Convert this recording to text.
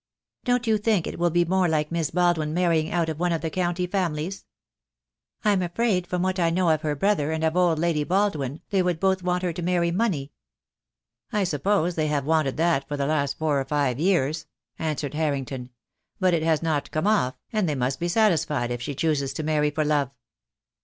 "Don't you think it will be more like Miss Baldwin marrying out of one of the county families? I'm afraid from what I know of her brother and of old Lady Bald win they would both want her to marry money." "I suppose they have wanted that for the last four or five years," answered Harrington; "but it has not come off, and they must be satisfied if she chooses to marry for love."